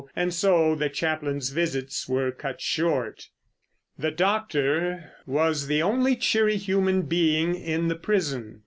And so the chaplain's visits were cut short. The doctor was the only cheery human being in the prison.